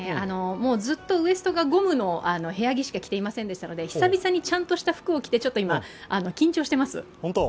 ずっとウエストがゴムの部屋着しか着ていませんでしたので久々にちゃんとした服を着て、今、緊張してます。